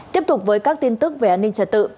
tiếp tục với các tin tức về an ninh trật tự